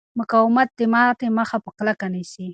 مقاومت د ماتې مخه په کلکه نیسي.